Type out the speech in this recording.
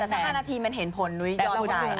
แต่ถ้า๕นาทีมันเห็นผลนุ้ยย้อนใจ